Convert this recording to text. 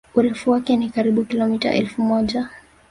Urefu wake ni karibu kilomIta elfu moja